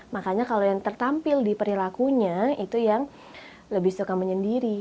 makanya kalau yang tertampil di perilakunya itu yang lebih suka menyendiri